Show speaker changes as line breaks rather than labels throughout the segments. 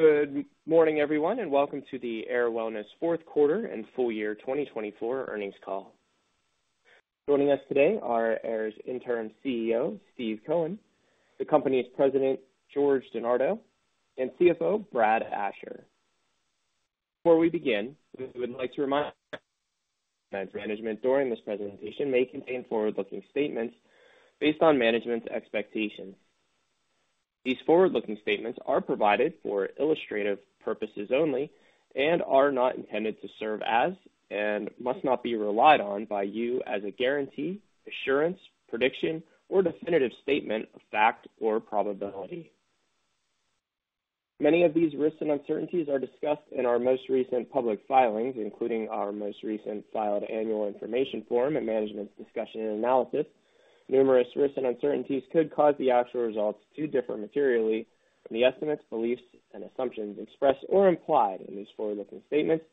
Good morning, everyone, and welcome to the Ayr Wellness fourth quarter and full year 2024 earnings call. Joining us today are Ayr's interim CEO, Steve Cohen, the company's President, George DeNardo, and CFO, Brad Asher. Before we begin, we would like to remind management during this presentation may contain forward-looking statements based on management's expectations. These forward-looking statements are provided for illustrative purposes only and are not intended to serve as and must not be relied on by you as a guarantee, assurance, prediction, or definitive statement of fact or probability. Many of these risks and uncertainties are discussed in our most recent public filings, including our most recent filed annual information form and management's discussion and analysis. Numerous risks and uncertainties could cause the actual results to differ materially from the estimates, beliefs, and assumptions expressed or implied in these forward-looking statements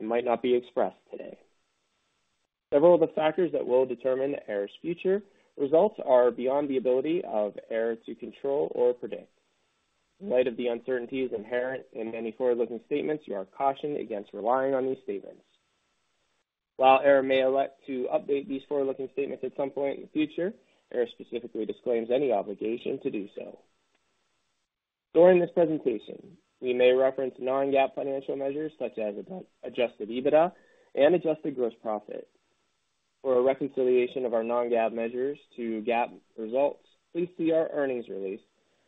and might not be expressed today. Several of the factors that will determine Ayr's future results are beyond the ability of Ayr to control or predict. In light of the uncertainties inherent in many forward-looking statements, you are cautioned against relying on these statements. While Ayr may elect to update these forward-looking statements at some point in the future, Ayr specifically disclaims any obligation to do so. During this presentation, we may reference non-GAAP financial measures such as adjusted EBITDA and adjusted gross profit. For a reconciliation of our non-GAAP measures to GAAP results, please see our earnings release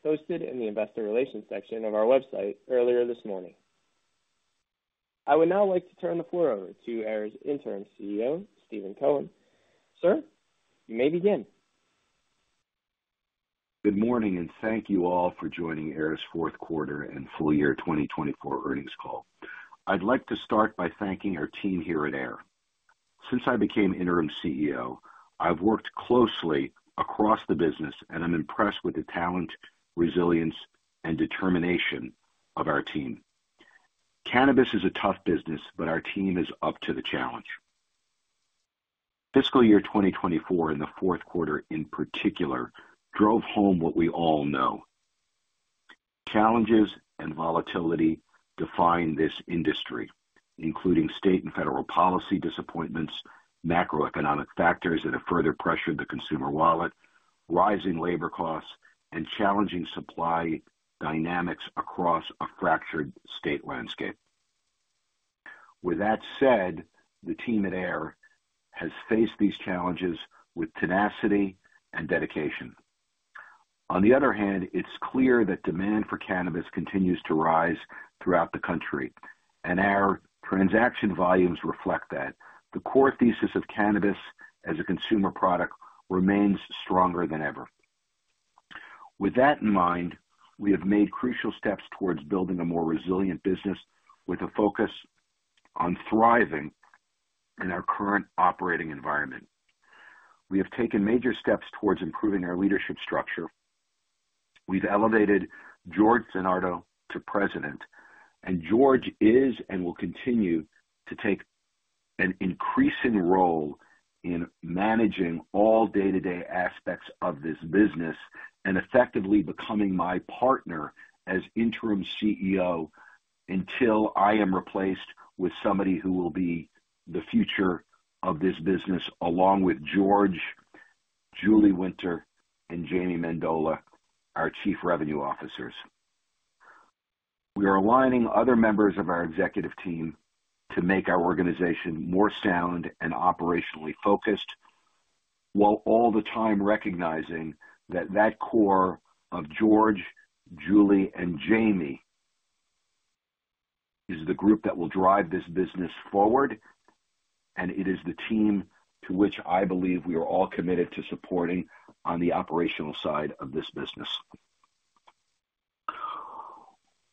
posted in the investor relations section of our website earlier this morning. I would now like to turn the floor over to Ayr's Interim CEO, Steve Cohen. Sir, you may begin.
Good morning, and thank you all for joining Ayr's fourth quarter and full year 2024 earnings call. I'd like to start by thanking our team here at Ayr. Since I became interim CEO, I've worked closely across the business, and I'm impressed with the talent, resilience, and determination of our team. Cannabis is a tough business, but our team is up to the challenge. Fiscal year 2024, in the fourth quarter in particular, drove home what we all know. Challenges and volatility define this industry, including state and federal policy disappointments, macroeconomic factors that have further pressured the consumer wallet, rising labor costs, and challenging supply dynamics across a fractured state landscape. With that said, the team at Ayr has faced these challenges with tenacity and dedication. On the other hand, it's clear that demand for cannabis continues to rise throughout the country, and our transaction volumes reflect that. The core thesis of cannabis as a consumer product remains stronger than ever. With that in mind, we have made crucial steps towards building a more resilient business with a focus on thriving in our current operating environment. We have taken major steps towards improving our leadership structure. We've elevated George DeNardo to President, and George is and will continue to take an increasing role in managing all day-to-day aspects of this business and effectively becoming my partner as Interim CEO until I am replaced with somebody who will be the future of this business, along with George, Julie Winter, and Jamie Mendola, our Chief Revenue Officers. We are aligning other members of our executive team to make our organization more sound and operationally focused, while all the time recognizing that that core of George, Julie, and Jamie is the group that will drive this business forward, and it is the team to which I believe we are all committed to supporting on the operational side of this business.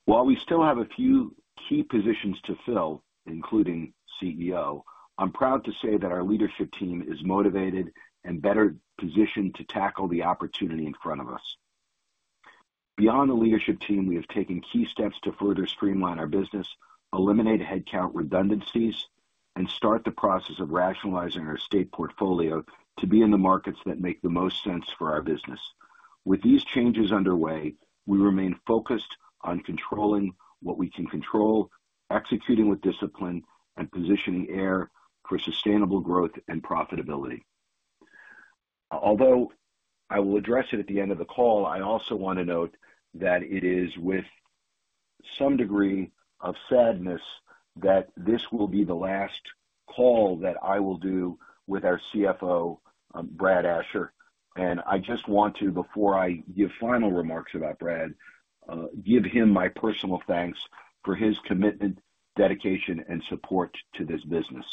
While we still have a few key positions to fill, including CEO, I'm proud to say that our leadership team is motivated and better positioned to tackle the opportunity in front of us. Beyond the leadership team, we have taken key steps to further streamline our business, eliminate headcount redundancies, and start the process of rationalizing our state portfolio to be in the markets that make the most sense for our business. With these changes underway, we remain focused on controlling what we can control, executing with discipline, and positioning Ayr for sustainable growth and profitability. Although I will address it at the end of the call, I also want to note that it is with some degree of sadness that this will be the last call that I will do with our CFO, Brad Asher, and I just want to, before I give final remarks about Brad, give him my personal thanks for his commitment, dedication, and support to this business.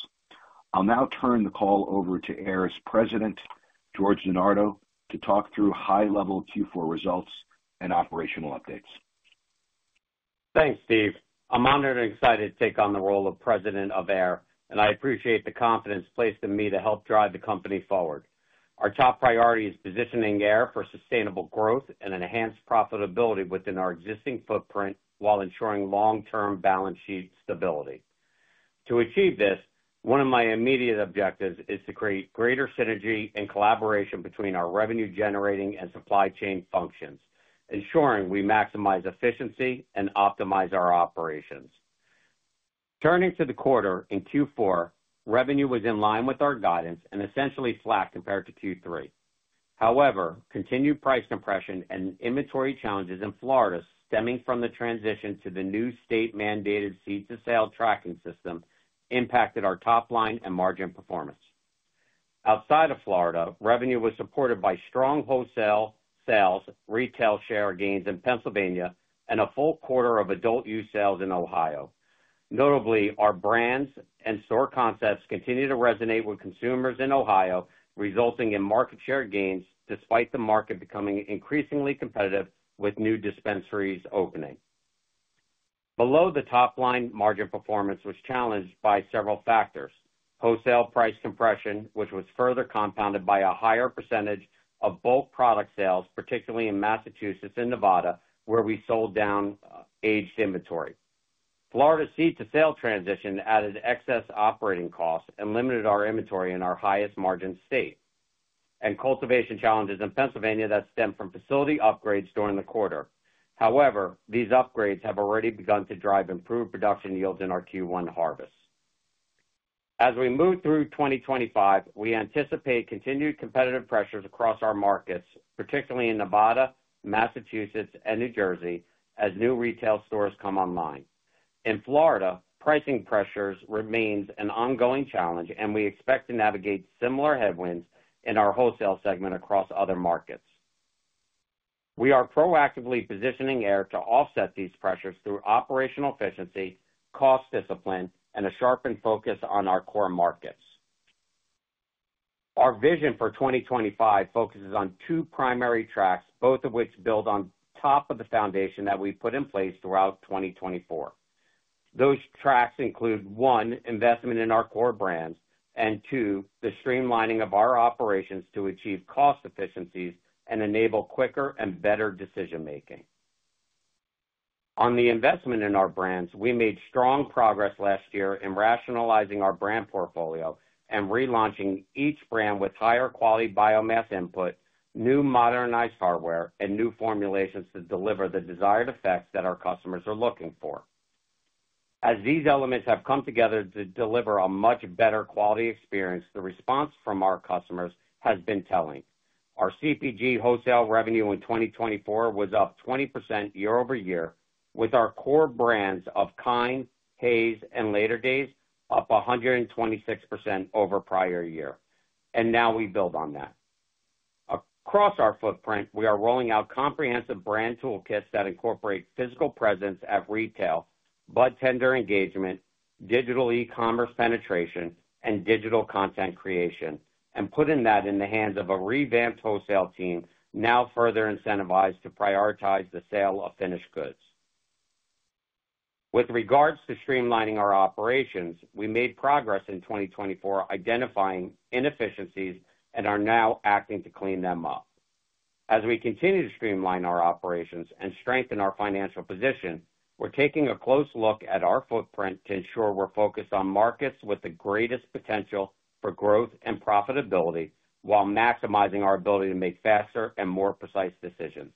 I'll now turn the call over to Ayr's President, George DeNardo, to talk through high-level Q4 results and operational updates.
Thanks, Steve. I'm honored and excited to take on the role of President of Ayr, and I appreciate the confidence placed in me to help drive the company forward. Our top priority is positioning Ayr for sustainable growth and enhanced profitability within our existing footprint while ensuring long-term balance sheet stability. To achieve this, one of my immediate objectives is to create greater synergy and collaboration between our revenue-generating and supply chain functions, ensuring we maximize efficiency and optimize our operations. Turning to the quarter, in Q4, revenue was in line with our guidance and essentially flat compared to Q3. However, continued price compression and inventory challenges in Florida stemming from the transition to the new state-mandated seed-to-sale tracking system impacted our top line and margin performance. Outside of Florida, revenue was supported by strong wholesale sales, retail share gains in Pennsylvania, and a full quarter of adult use sales in Ohio. Notably, our brands and store concepts continue to resonate with consumers in Ohio, resulting in market share gains despite the market becoming increasingly competitive with new dispensaries opening. Below, the top line margin performance was challenged by several factors: wholesale price compression, which was further compounded by a higher percentage of bulk product sales, particularly in Massachusetts and Nevada, where we sold down aged inventory. Florida's seed-to-sale transition added excess operating costs and limited our inventory in our highest margin state, and cultivation challenges in Pennsylvania that stemmed from facility upgrades during the quarter. However, these upgrades have already begun to drive improved production yields in our Q1 harvest. As we move through 2025, we anticipate continued competitive pressures across our markets, particularly in Nevada, Massachusetts, and New Jersey, as new retail stores come online. In Florida, pricing pressures remain an ongoing challenge, and we expect to navigate similar headwinds in our wholesale segment across other markets. We are proactively positioning Ayr to offset these pressures through operational efficiency, cost discipline, and a sharpened focus on our core markets. Our vision for 2025 focuses on two primary tracks, both of which build on top of the foundation that we've put in place throughout 2024. Those tracks include: one, investment in our core brands, and two, the streamlining of our operations to achieve cost efficiencies and enable quicker and better decision-making. On the investment in our brands, we made strong progress last year in rationalizing our brand portfolio and relaunching each brand with higher quality biomass input, new modernized hardware, and new formulations to deliver the desired effects that our customers are looking for. As these elements have come together to deliver a much better quality experience, the response from our customers has been telling. Our CPG wholesale revenue in 2024 was up 20% year over year, with our core brands of Kynd, Haze, and Later Days up 126% over prior year, and now we build on that. Across our footprint, we are rolling out comprehensive brand toolkits that incorporate physical presence at retail, budtender engagement, digital e-commerce penetration, and digital content creation, and putting that in the hands of a revamped wholesale team now further incentivized to prioritize the sale of finished goods. With regards to streamlining our operations, we made progress in 2024 identifying inefficiencies and are now acting to clean them up. As we continue to streamline our operations and strengthen our financial position, we're taking a close look at our footprint to ensure we're focused on markets with the greatest potential for growth and profitability while maximizing our ability to make faster and more precise decisions.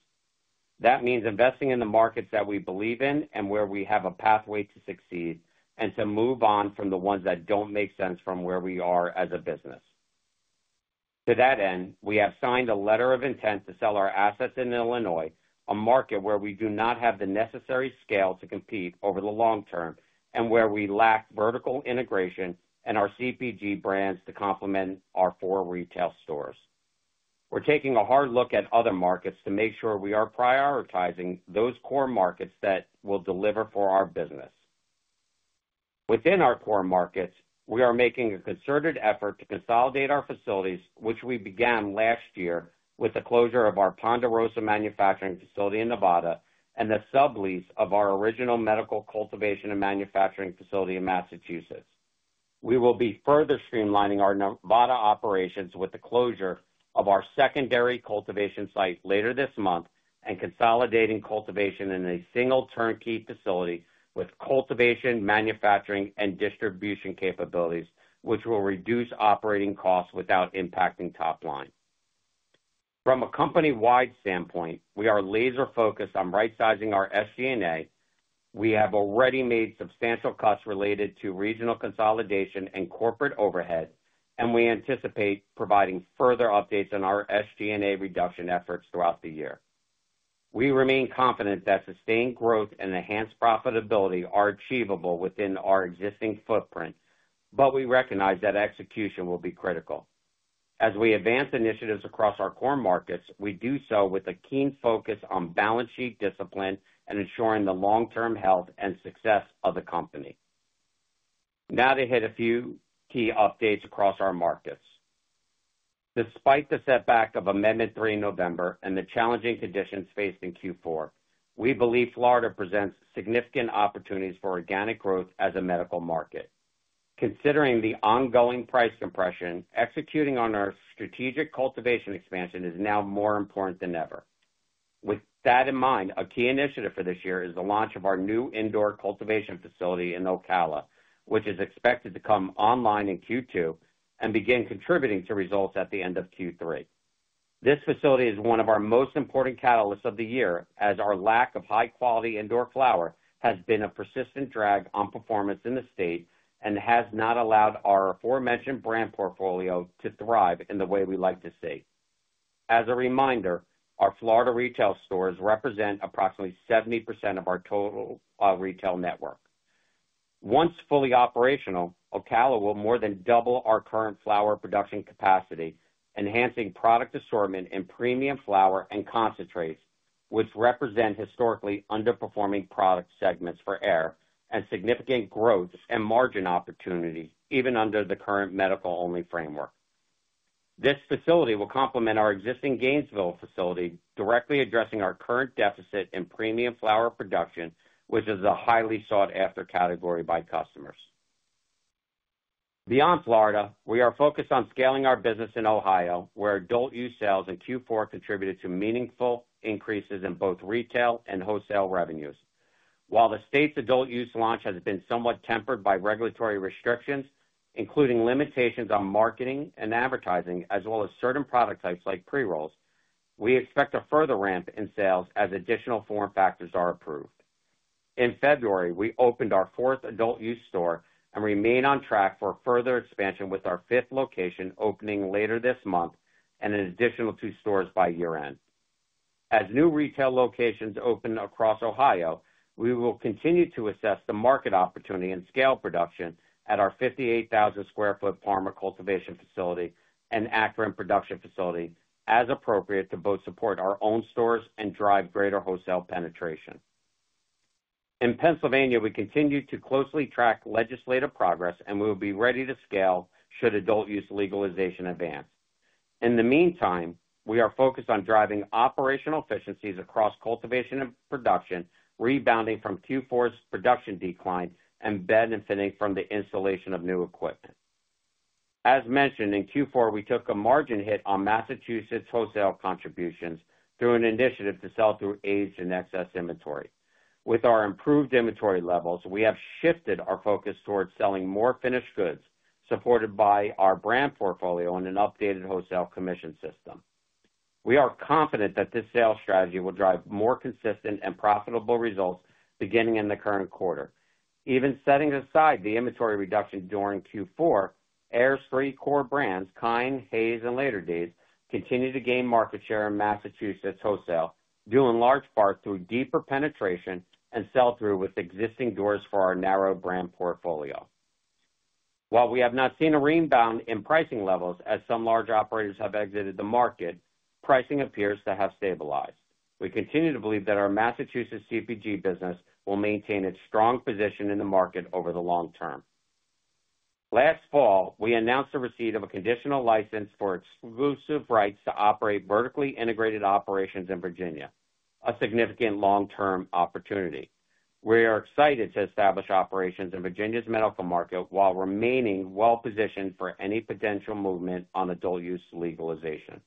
That means investing in the markets that we believe in and where we have a pathway to succeed and to move on from the ones that don't make sense from where we are as a business. To that end, we have signed a letter of intent to sell our assets in Illinois, a market where we do not have the necessary scale to compete over the long term and where we lack vertical integration and our CPG brands to complement our four retail stores. We're taking a hard look at other markets to make sure we are prioritizing those core markets that will deliver for our business. Within our core markets, we are making a concerted effort to consolidate our facilities, which we began last year with the closure of our Ponderosa manufacturing facility in Nevada and the sublease of our original medical cultivation and manufacturing facility in Massachusetts. We will be further streamlining our Nevada operations with the closure of our secondary cultivation site later this month and consolidating cultivation in a single turnkey facility with cultivation, manufacturing, and distribution capabilities, which will reduce operating costs without impacting top line. From a company-wide standpoint, we are laser-focused on right-sizing our SG&A. We have already made substantial cuts related to regional consolidation and corporate overhead, and we anticipate providing further updates on our SG&A reduction efforts throughout the year. We remain confident that sustained growth and enhanced profitability are achievable within our existing footprint, but we recognize that execution will be critical. As we advance initiatives across our core markets, we do so with a keen focus on balance sheet discipline and ensuring the long-term health and success of the company. Now to hit a few key updates across our markets. Despite the setback of Amendment 3 in November and the challenging conditions faced in Q4, we believe Florida presents significant opportunities for organic growth as a medical market. Considering the ongoing price compression, executing on our strategic cultivation expansion is now more important than ever. With that in mind, a key initiative for this year is the launch of our new indoor cultivation facility in Ocala, which is expected to come online in Q2 and begin contributing to results at the end of Q3. This facility is one of our most important catalysts of the year, as our lack of high-quality indoor flower has been a persistent drag on performance in the state and has not allowed our aforementioned brand portfolio to thrive in the way we like to see. As a reminder, our Florida retail stores represent approximately 70% of our total retail network. Once fully operational, Ocala will more than double our current flower production capacity, enhancing product assortment in premium flower and concentrates, which represent historically underperforming product segments for Ayr and significant growth and margin opportunities even under the current medical-only framework. This facility will complement our existing Gainesville facility, directly addressing our current deficit in premium flower production, which is a highly sought-after category by customers. Beyond Florida, we are focused on scaling our business in Ohio, where adult use sales in Q4 contributed to meaningful increases in both retail and wholesale revenues. While the state's adult use launch has been somewhat tempered by regulatory restrictions, including limitations on marketing and advertising, as well as certain product types like pre-rolls, we expect a further ramp in sales as additional form factors are approved. In February, we opened our fourth adult use store and remain on track for further expansion with our fifth location opening later this month and an additional two stores by year-end. As new retail locations open across Ohio, we will continue to assess the market opportunity and scale production at our 58,000 sq ft Parma cultivation facility and Akron production facility as appropriate to both support our own stores and drive greater wholesale penetration. In Pennsylvania, we continue to closely track legislative progress, and we will be ready to scale should adult use legalization advance. In the meantime, we are focused on driving operational efficiencies across cultivation and production, rebounding from Q4's production decline and benefiting from the installation of new equipment. As mentioned in Q4, we took a margin hit on Massachusetts' wholesale contributions through an initiative to sell through aged and excess inventory. With our improved inventory levels, we have shifted our focus towards selling more finished goods, supported by our brand portfolio and an updated wholesale commission system. We are confident that this sales strategy will drive more consistent and profitable results beginning in the current quarter. Even setting aside the inventory reduction during Q4, Ayr's three core brands, Kynd, Haze, and Later Days, continue to gain market share in Massachusetts' wholesale, due in large part through deeper penetration and sell-through with existing doors for our narrow brand portfolio. While we have not seen a rebound in pricing levels as some large operators have exited the market, pricing appears to have stabilized. We continue to believe that our Massachusetts CPG business will maintain its strong position in the market over the long term. Last fall, we announced the receipt of a conditional license for exclusive rights to operate vertically integrated operations in Virginia, a significant long-term opportunity. We are excited to establish operations in Virginia's medical market while remaining well-positioned for any potential movement on adult use legalization.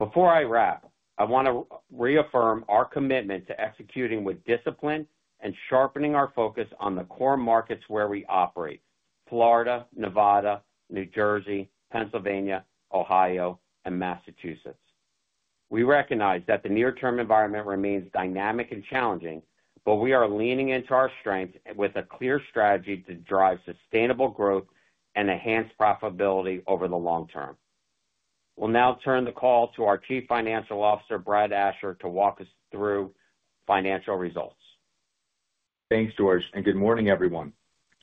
Before I wrap, I want to reaffirm our commitment to executing with discipline and sharpening our focus on the core markets where we operate: Florida, Nevada, New Jersey, Pennsylvania, Ohio, and Massachusetts. We recognize that the near-term environment remains dynamic and challenging, but we are leaning into our strengths with a clear strategy to drive sustainable growth and enhanced profitability over the long term. We'll now turn the call to our Chief Financial Officer, Brad Asher, to walk us through financial results.
Thanks, George, and good morning, everyone.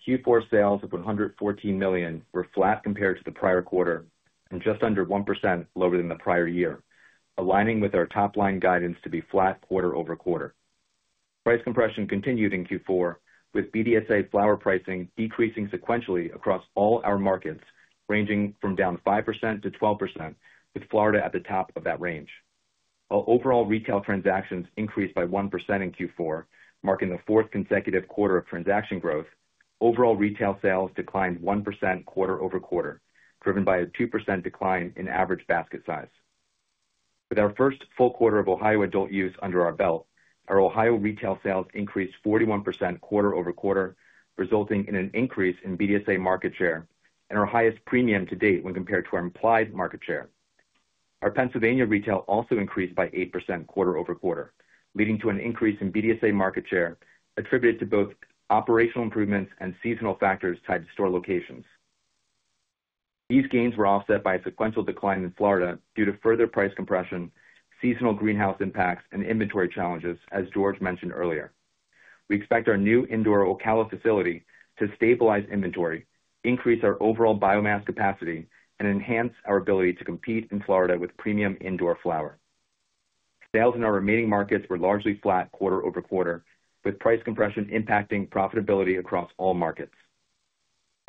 Q4 sales of $114 million were flat compared to the prior quarter and just under 1% lower than the prior year, aligning with our top line guidance to be flat quarter over quarter. Price compression continued in Q4, with BDSA flower pricing decreasing sequentially across all our markets, ranging from down 5% to 12%, with Florida at the top of that range. While overall retail transactions increased by 1% in Q4, marking the fourth consecutive quarter of transaction growth, overall retail sales declined 1% quarter over quarter, driven by a 2% decline in average basket size. With our first full quarter of Ohio adult use under our belt, our Ohio retail sales increased 41% quarter over quarter, resulting in an increase in BDSA market share and our highest premium to date when compared to our implied market share. Our Pennsylvania retail also increased by 8% quarter over quarter, leading to an increase in BDSA market share attributed to both operational improvements and seasonal factors tied to store locations. These gains were offset by a sequential decline in Florida due to further price compression, seasonal greenhouse impacts, and inventory challenges, as George mentioned earlier. We expect our new indoor Ocala facility to stabilize inventory, increase our overall biomass capacity, and enhance our ability to compete in Florida with premium indoor flower. Sales in our remaining markets were largely flat quarter over quarter, with price compression impacting profitability across all markets.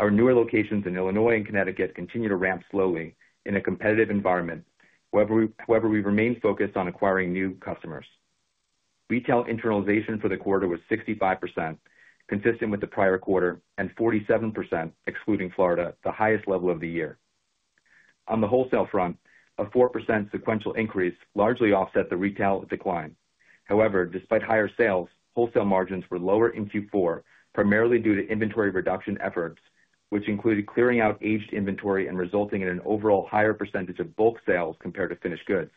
Our newer locations in Illinois and Connecticut continue to ramp slowly in a competitive environment, however we remain focused on acquiring new customers. Retail internalization for the quarter was 65%, consistent with the prior quarter, and 47%, excluding Florida, the highest level of the year. On the wholesale front, a 4% sequential increase largely offset the retail decline. However, despite higher sales, wholesale margins were lower in Q4, primarily due to inventory reduction efforts, which included clearing out aged inventory and resulting in an overall higher percentage of bulk sales compared to finished goods.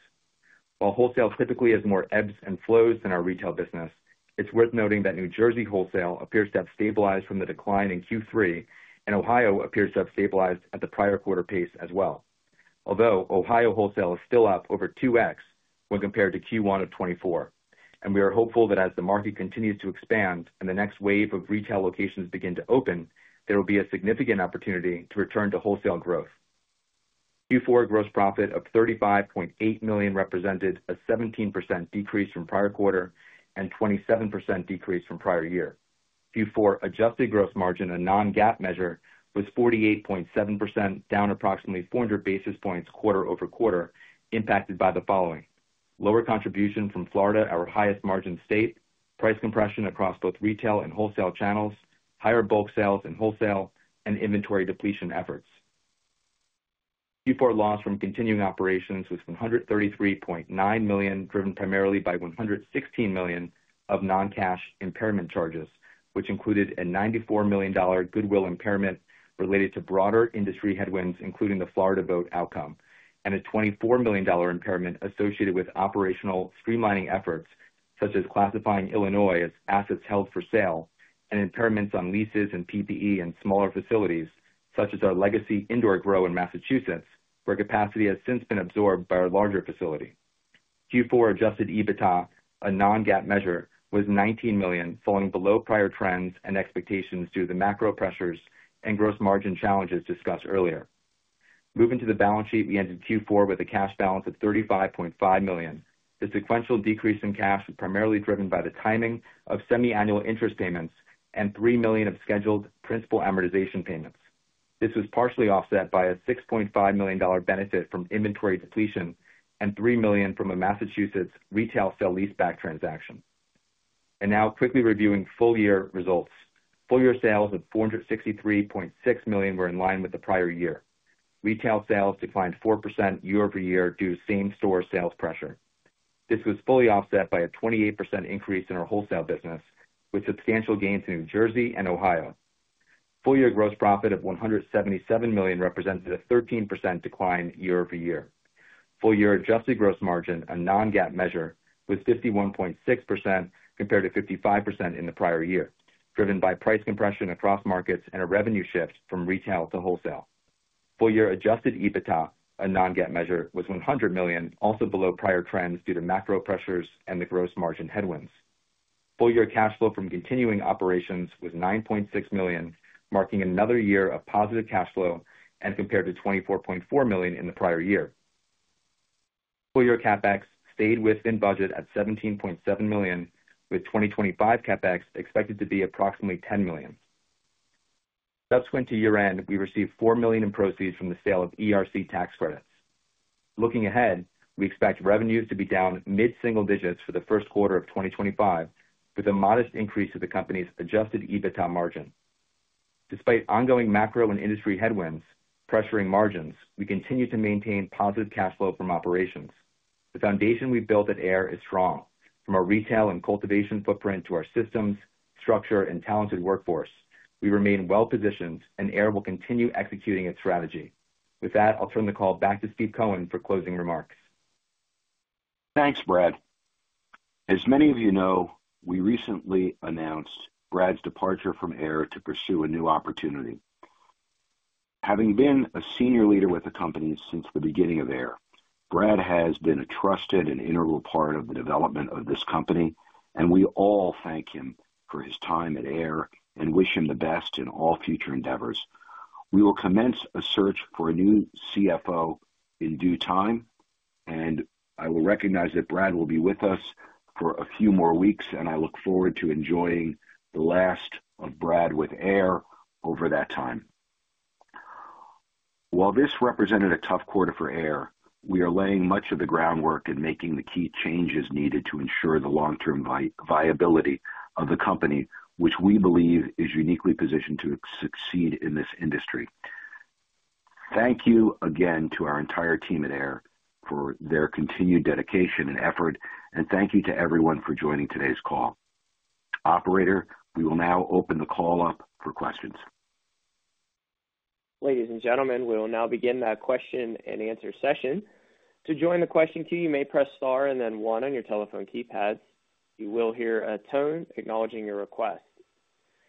While wholesale typically has more ebbs and flows than our retail business, it's worth noting that New Jersey wholesale appears to have stabilized from the decline in Q3, and Ohio appears to have stabilized at the prior quarter pace as well, although Ohio wholesale is still up over 2x when compared to Q1 of 2024. We are hopeful that as the market continues to expand and the next wave of retail locations begin to open, there will be a significant opportunity to return to wholesale growth. Q4 gross profit of $35.8 million represented a 17% decrease from prior quarter and 27% decrease from prior year. Q4 adjusted gross margin, a non-GAAP measure, was 48.7%, down approximately 400 basis points quarter over quarter, impacted by the following: lower contribution from Florida, our highest margin state, price compression across both retail and wholesale channels, higher bulk sales in wholesale, and inventory depletion efforts. Q4 loss from continuing operations was $133.9 million, driven primarily by $116 million of non-cash impairment charges, which included a $94 million goodwill impairment related to broader industry headwinds, including the Florida vote outcome, and a $24 million impairment associated with operational streamlining efforts such as classifying Illinois as assets held for sale and impairments on leases and PPE in smaller facilities such as our legacy indoor grow in Massachusetts, where capacity has since been absorbed by our larger facility. Q4 adjusted EBITDA, a non-GAAP measure, was $19 million, falling below prior trends and expectations due to the macro pressures and gross margin challenges discussed earlier. Moving to the balance sheet, we ended Q4 with a cash balance of $35.5 million. The sequential decrease in cash was primarily driven by the timing of semiannual interest payments and $3 million of scheduled principal amortization payments. This was partially offset by a $6.5 million benefit from inventory depletion and $3 million from a Massachusetts retail sale leaseback transaction. Now, quickly reviewing full-year results. Full-year sales of $463.6 million were in line with the prior year. Retail sales declined 4% year over year due to same-store sales pressure. This was fully offset by a 28% increase in our wholesale business, with substantial gains in New Jersey and Ohio. Full-year gross profit of $177 million represented a 13% decline year over year. Full-year adjusted gross margin, a non-GAAP measure, was 51.6% compared to 55% in the prior year, driven by price compression across markets and a revenue shift from retail to wholesale. Full-year adjusted EBITDA, a non-GAAP measure, was $100 million, also below prior trends due to macro pressures and the gross margin headwinds. Full-year cash flow from continuing operations was $9.6 million, marking another year of positive cash flow and compared to $24.4 million in the prior year. Full-year CapEx stayed within budget at $17.7 million, with 2025 CapEx expected to be approximately $10 million. Subsequent to year-end, we received $4 million in proceeds from the sale of ERC tax credits. Looking ahead, we expect revenues to be down mid-single digits for the first quarter of 2025, with a modest increase to the company's adjusted EBITDA margin. Despite ongoing macro and industry headwinds pressuring margins, we continue to maintain positive cash flow from operations. The foundation we've built at Ayr is strong. From our retail and cultivation footprint to our systems, structure, and talented workforce, we remain well-positioned, and Ayr will continue executing its strategy. With that, I'll turn the call back to Steve Cohen for closing remarks.
Thanks, Brad. As many of you know, we recently announced Brad's departure from Ayr to pursue a new opportunity. Having been a senior leader with the company since the beginning of Ayr, Brad has been a trusted and integral part of the development of this company, and we all thank him for his time at Ayr and wish him the best in all future endeavors. We will commence a search for a new CFO in due time, and I will recognize that Brad will be with us for a few more weeks, and I look forward to enjoying the last of Brad with Ayr over that time. While this represented a tough quarter for Ayr, we are laying much of the groundwork and making the key changes needed to ensure the long-term viability of the company, which we believe is uniquely positioned to succeed in this industry. Thank you again to our entire team at Ayr for their continued dedication and effort, and thank you to everyone for joining today's call. Operator, we will now open the call up for questions.
Ladies and gentlemen, we will now begin the question and answer session. To join the question queue, you may press star and then one on your telephone keypads. You will hear a tone acknowledging your request.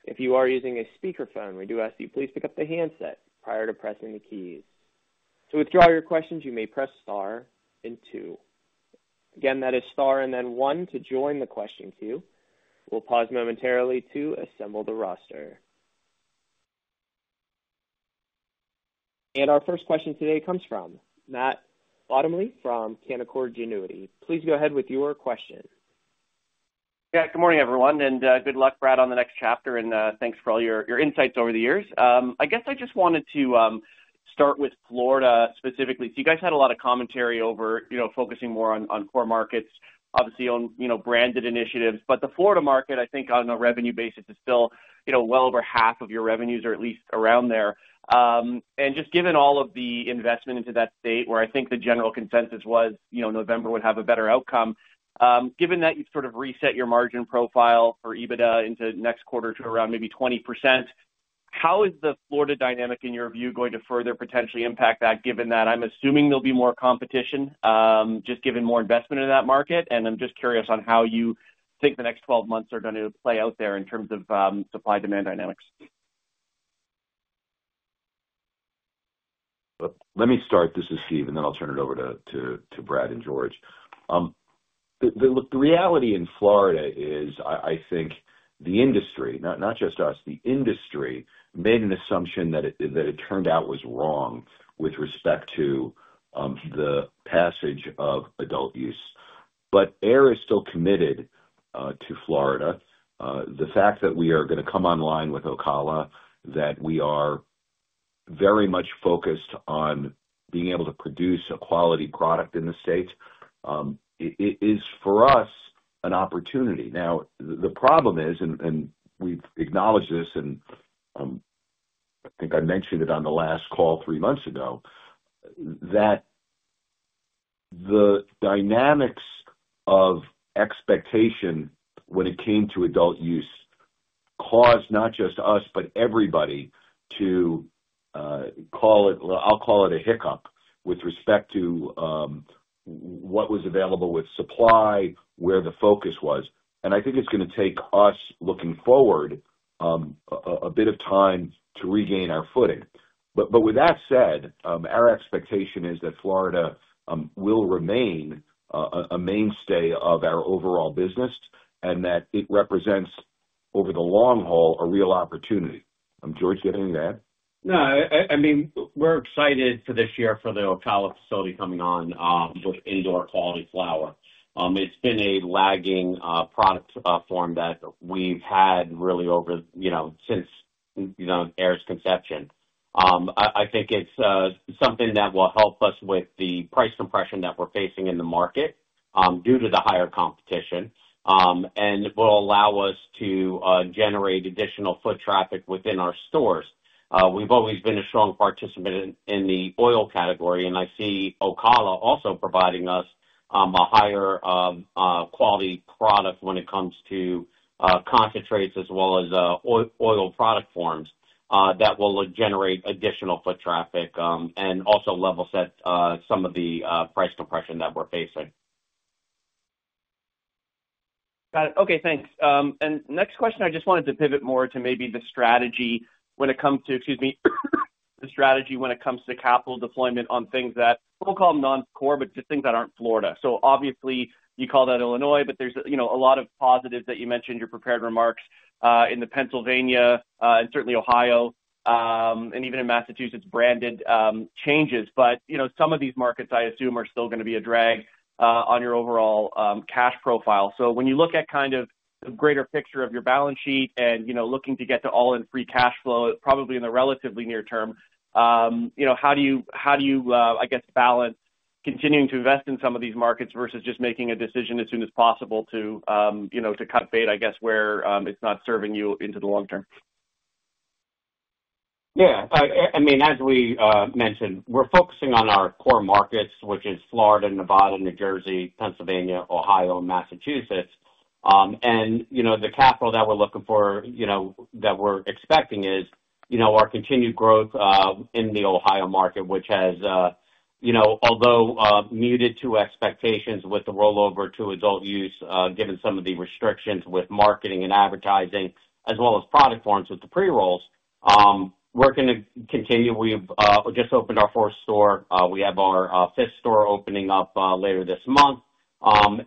If you are using a speakerphone, we do ask that you please pick up the handset prior to pressing the keys. To withdraw your questions, you may press star and two. Again, that is star and then one to join the question queue. We'll pause momentarily to assemble the roster. Our first question today comes from Matt Bottomley from Canaccord Genuity. Please go ahead with your question.
Yeah, good morning, everyone, and good luck, Brad, on the next chapter, and thanks for all your insights over the years. I guess I just wanted to start with Florida specifically. You guys had a lot of commentary over focusing more on core markets, obviously on branded initiatives, but the Florida market, I think on a revenue basis, is still well over half of your revenues, or at least around there. Just given all of the investment into that state, where I think the general consensus was November would have a better outcome, given that you've sort of reset your margin profile for EBITDA into next quarter to around maybe 20%, how is the Florida dynamic, in your view, going to further potentially impact that, given that I'm assuming there'll be more competition, just given more investment in that market? I'm just curious on how you think the next 12 months are going to play out there in terms of supply-demand dynamics.
Let me start. This is Steve, and then I'll turn it over to Brad and George. The reality in Florida is, I think, the industry, not just us, the industry made an assumption that it turned out was wrong with respect to the passage of adult use. Ayr is still committed to Florida. The fact that we are going to come online with Ocala, that we are very much focused on being able to produce a quality product in the state, it is, for us, an opportunity. Now, the problem is, and we've acknowledged this, I think I mentioned it on the last call three months ago, that the dynamics of expectation when it came to adult use caused not just us, but everybody to call it, I'll call it a hiccup with respect to what was available with supply, where the focus was. I think it's going to take us, looking forward, a bit of time to regain our footing. With that said, our expectation is that Florida will remain a mainstay of our overall business and that it represents, over the long haul, a real opportunity. George, do you have anything to add?
No, I mean, we're excited for this year for the Ocala facility coming on with indoor quality flower. It's been a lagging product form that we've had really over since Ayr's conception. I think it's something that will help us with the price compression that we're facing in the market due to the higher competition and will allow us to generate additional foot traffic within our stores. We've always been a strong participant in the oil category, and I see Ocala also providing us a higher quality product when it comes to concentrates as well as oil product forms that will generate additional foot traffic and also level set some of the price compression that we're facing.
Got it. Okay, thanks. Next question, I just wanted to pivot more to maybe the strategy when it comes to, excuse me, the strategy when it comes to capital deployment on things that we'll call them non-core, but just things that aren't Florida. Obviously, you call that Illinois, but there's a lot of positives that you mentioned, your prepared remarks in Pennsylvania and certainly Ohio, and even in Massachusetts, branded changes. Some of these markets, I assume, are still going to be a drag on your overall cash profile. When you look at kind of the greater picture of your balance sheet and looking to get to all-in-free cash flow, probably in the relatively near term, how do you, I guess, balance continuing to invest in some of these markets versus just making a decision as soon as possible to cut bait, I guess, where it's not serving you into the long term?
Yeah. I mean, as we mentioned, we're focusing on our core markets, which is Florida, Nevada, New Jersey, Pennsylvania, Ohio, and Massachusetts. The capital that we're looking for, that we're expecting, is our continued growth in the Ohio market, which has, although muted to expectations with the rollover to adult use, given some of the restrictions with marketing and advertising, as well as product forms with the pre-rolls, we're going to continue. We've just opened our fourth store. We have our fifth store opening up later this month,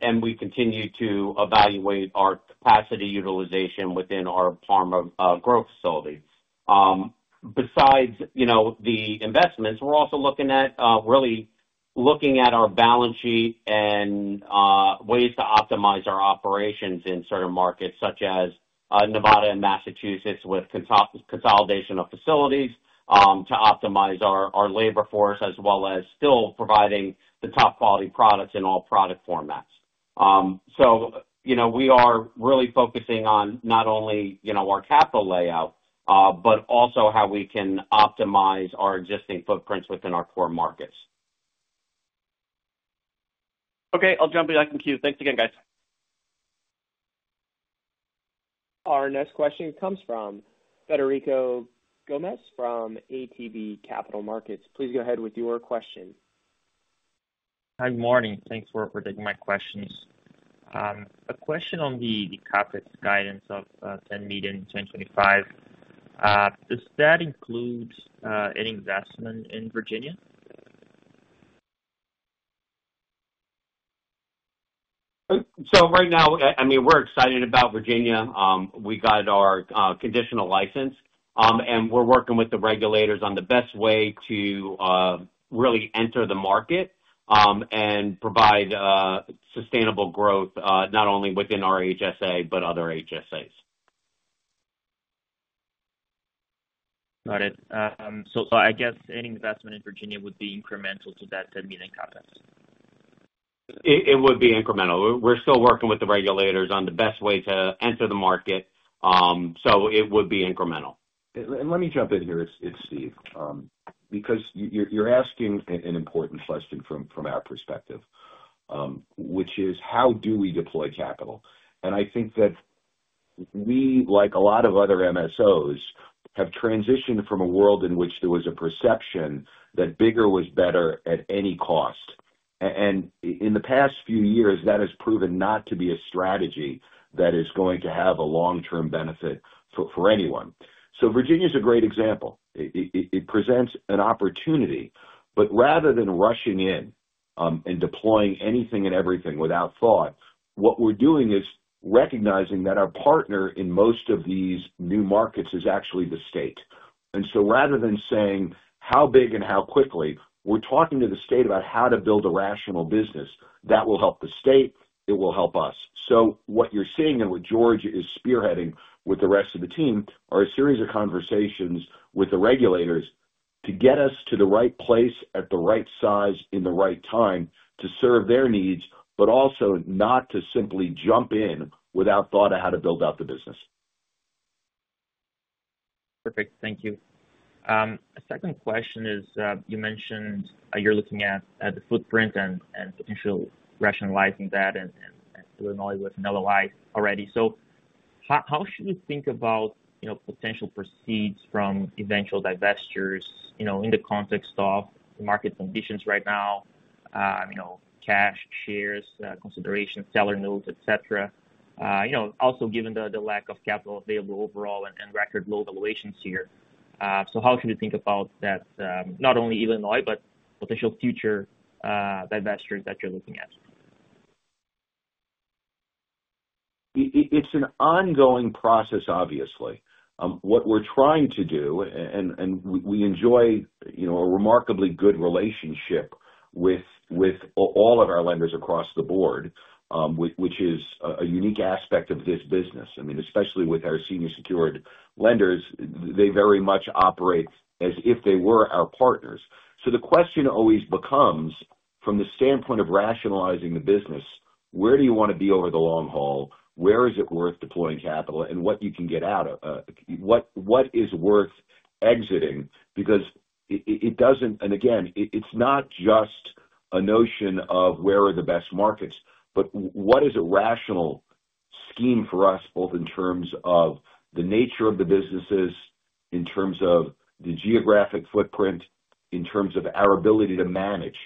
and we continue to evaluate our capacity utilization within our Parma growth facility. Besides the investments, we're also looking at really looking at our balance sheet and ways to optimize our operations in certain markets, such as Nevada and Massachusetts, with consolidation of facilities to optimize our labor force, as well as still providing the top quality products in all product formats. We are really focusing on not only our capital layout, but also how we can optimize our existing footprints within our core markets.
Okay, I'll jump back in queue. Thanks again, guys.
Our next question comes from Frederico Gomes from ATB Capital Markets. Please go ahead with your question.
Hi, good morning. Thanks for taking my questions. A question on the CapEx guidance of $10 million in 2025. Does that include any investment in Virginia?
Right now, I mean, we're excited about Virginia. We got our conditional license, and we're working with the regulators on the best way to really enter the market and provide sustainable growth not only within our HSA, but other HSAs.
Got it. I guess any investment in Virginia would be incremental to that $10 million CapEx?
It would be incremental. We're still working with the regulators on the best way to enter the market, so it would be incremental.
Let me jump in here. It's Steve because you're asking an important question from our perspective, which is, how do we deploy capital? I think that we, like a lot of other MSOs, have transitioned from a world in which there was a perception that bigger was better at any cost. In the past few years, that has proven not to be a strategy that is going to have a long-term benefit for anyone. Virginia is a great example. It presents an opportunity. Rather than rushing in and deploying anything and everything without thought, what we are doing is recognizing that our partner in most of these new markets is actually the state. Rather than saying how big and how quickly, we are talking to the state about how to build a rational business that will help the state. It will help us. What you're seeing and what George is spearheading with the rest of the team are a series of conversations with the regulators to get us to the right place at the right size in the right time to serve their needs, but also not to simply jump in without thought on how to build out the business.
Perfect. Thank you. A second question is, you mentioned you're looking at the footprint and potential rationalizing that in Illinois with an LOI already. How should you think about potential proceeds from eventual divestitures in the context of the market conditions right now, cash, shares, consideration, seller notes, et cetera? Also, given the lack of capital available overall and record low valuations here, how should we think about that, not only Illinois, but potential future divestitures that you're looking at?
It's an ongoing process, obviously. What we're trying to do, and we enjoy a remarkably good relationship with all of our lenders across the board, which is a unique aspect of this business. I mean, especially with our senior secured lenders, they very much operate as if they were our partners. The question always becomes, from the standpoint of rationalizing the business, where do you want to be over the long haul? Where is it worth deploying capital and what you can get out of? What is worth exiting? Because it doesn't—again, it's not just a notion of where are the best markets, but what is a rational scheme for us, both in terms of the nature of the businesses, in terms of the geographic footprint, in terms of our ability to manage?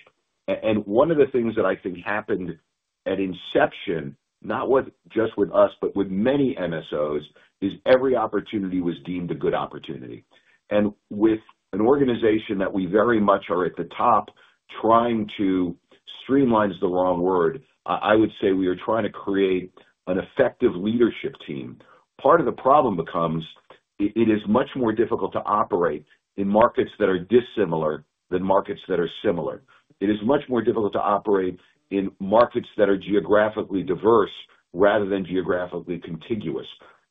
One of the things that I think happened at inception, not just with us, but with many MSOs, is every opportunity was deemed a good opportunity. With an organization that we very much are at the top trying to—streamline is the wrong word. I would say we are trying to create an effective leadership team. Part of the problem becomes it is much more difficult to operate in markets that are dissimilar than markets that are similar. It is much more difficult to operate in markets that are geographically diverse rather than geographically contiguous.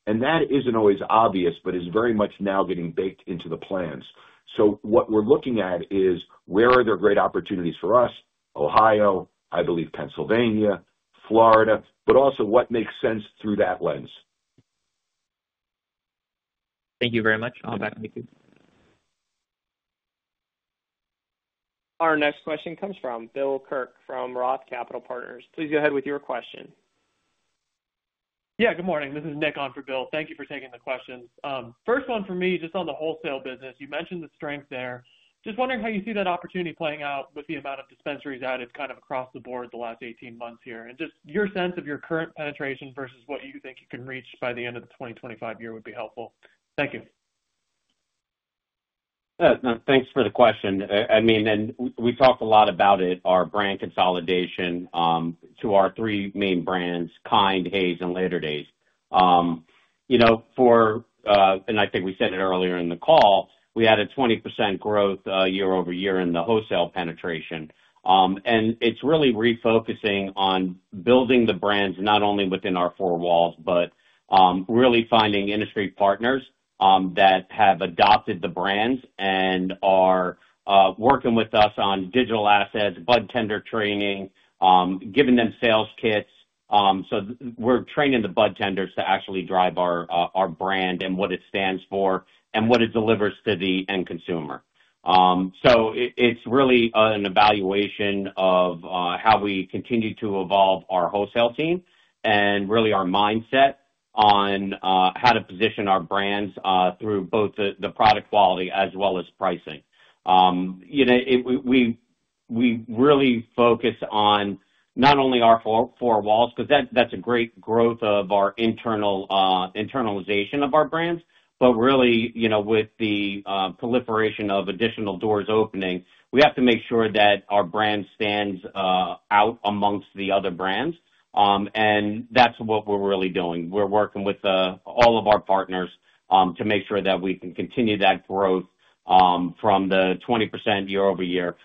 That is not always obvious, but is very much now getting baked into the plans. What we are looking at is, where are there great opportunities for us? Ohio, I believe Pennsylvania, Florida, but also what makes sense through that lens.
Thank you very much. I will back with you.
Our next question comes from Bill Kirk from Roth Capital Partners. Please go ahead with your question.
Yeah, good morning. This is Nick on for Bill. Thank you for taking the questions. First one for me, just on the wholesale business, you mentioned the strength there. Just wondering how you see that opportunity playing out with the amount of dispensaries added kind of across the board the last 18 months here. Just your sense of your current penetration versus what you think you can reach by the end of the 2025 year would be helpful. Thank you.
Thanks for the question. I mean, and we talked a lot about it, our brand consolidation to our three main brands, Kynd, Haze, and Later Days. I think we said it earlier in the call, we added 20% growth year over year in the wholesale penetration. It is really refocusing on building the brands not only within our four walls, but really finding industry partners that have adopted the brands and are working with us on digital assets, bud tender training, giving them sales kits. We are training the bud tenders to actually drive our brand and what it stands for and what it delivers to the end consumer. It is really an evaluation of how we continue to evolve our wholesale team and really our mindset on how to position our brands through both the product quality as well as pricing. We really focus on not only our four walls, because that is a great growth of our internalization of our brands, but really with the proliferation of additional doors opening, we have to make sure that our brand stands out amongst the other brands. That is what we are really doing. We're working with all of our partners to make sure that we can continue that growth from the 20% year over year.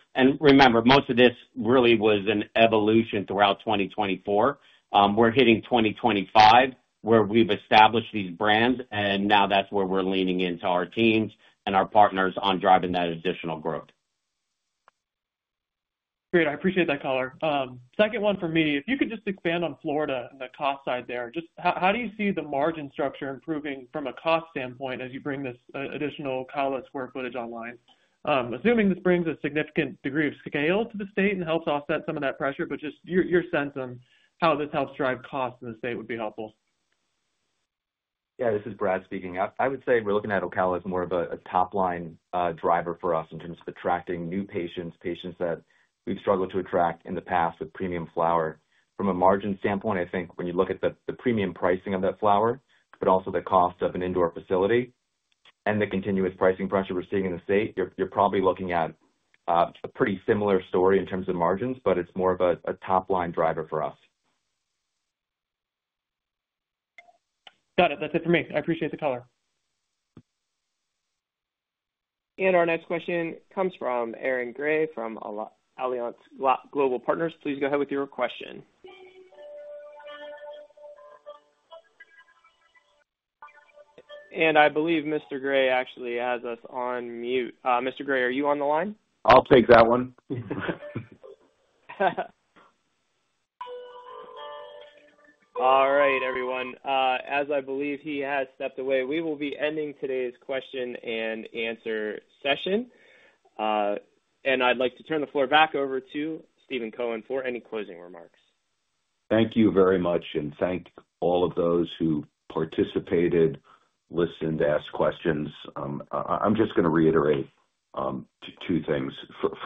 Remember, most of this really was an evolution throughout 2024. We're hitting 2025 where we've established these brands, and now that's where we're leaning into our teams and our partners on driving that additional growth.
Great. I appreciate that color. Second one for me, if you could just expand on Florida and the cost side there, just how do you see the margin structure improving from a cost standpoint as you bring this additional Ocala square footage online? Assuming this brings a significant degree of scale to the state and helps offset some of that pressure, just your sense on how this helps drive costs in the state would be helpful.
Yeah, this is Brad speaking. I would say we're looking at Ocala as more of a top-line driver for us in terms of attracting new patients, patients that we've struggled to attract in the past with premium flower. From a margin standpoint, I think when you look at the premium pricing of that flower, but also the cost of an indoor facility and the continuous pricing pressure we're seeing in the state, you're probably looking at a pretty similar story in terms of margins, but it's more of a top-line driver for us.
Got it. That's it for me. I appreciate the color.
Our next question comes from Aaron Gray from Alliance Global Partners. Please go ahead with your question. I believe Mr. Gray actually has us on mute. Mr. Gray, are you on the line?
I'll take that one.
All right, everyone. As I believe he has stepped away, we will be ending today's question and answer session. I would like to turn the floor back over to Steve Cohen for any closing remarks.
Thank you very much, and thank all of those who participated, listened, asked questions. I am just going to reiterate two things.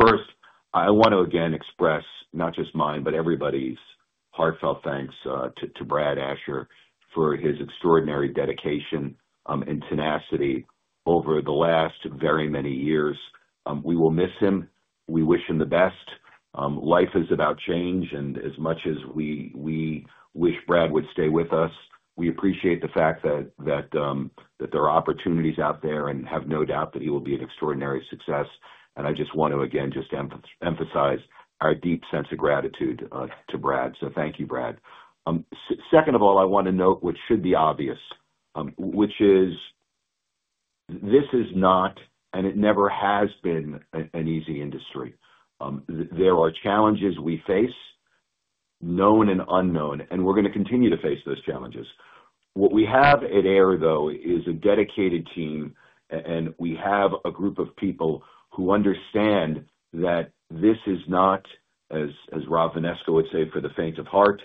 First, I want to again express not just mine, but everybody's heartfelt thanks to Brad Asher for his extraordinary dedication and tenacity over the last very many years. We will miss him. We wish him the best. Life is about change, and as much as we wish Brad would stay with us, we appreciate the fact that there are opportunities out there and have no doubt that he will be an extraordinary success. I just want to again emphasize our deep sense of gratitude to Brad. Thank you, Brad. Second of all, I want to note what should be obvious, which is this is not, and it never has been, an easy industry. There are challenges we face, known and unknown, and we're going to continue to face those challenges. What we have at Ayr, though, is a dedicated team, and we have a group of people who understand that this is not, as Rob Vanisko would say, for the faint of heart.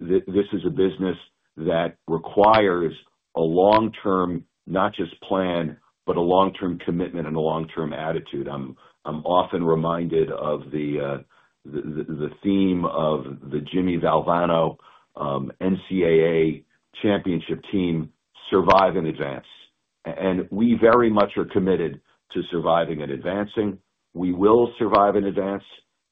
This is a business that requires a long-term not just plan, but a long-term commitment and a long-term attitude. I'm often reminded of the theme of the Jimmy Valvano NCAA championship team, survive and advance. We very much are committed to surviving and advancing. We will survive and advance.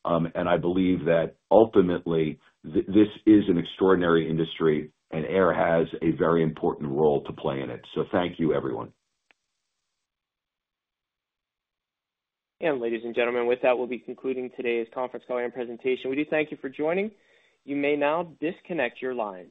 I believe that ultimately, this is an extraordinary industry, and Ayr has a very important role to play in it. Thank you, everyone.
Ladies and gentlemen, with that, we'll be concluding today's conference call and presentation. We do thank you for joining. You may now disconnect your line.